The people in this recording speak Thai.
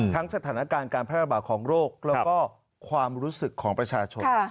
สถานการณ์การแพร่ระบาดของโรคแล้วก็ความรู้สึกของประชาชน